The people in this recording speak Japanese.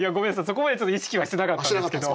そこまで意識はしてなかったんですけど。